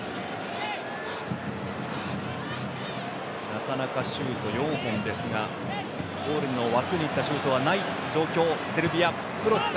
なかなかシュート４本ですがゴールの枠にいったシュートはない状況のセルビア。